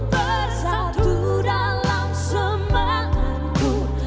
bersatu dalam semanganku